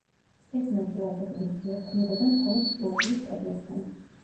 ეს ნაწილაკები ურთიერთქმედებენ მხოლოდ ჭურჭლის კედლებთან.